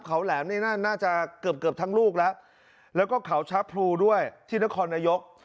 เขาแหลมนี่น่าจะเกือบเกือบทั้งลูกแล้วแล้วก็เขาชะพลูด้วยที่นครนายก